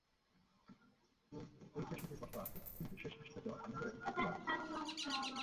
সেই চেষ্টাতে কষ্ট আছে, কিন্তু শেষ হাসিটা দেওয়ার আনন্দ এবং তৃপ্তিও আছে।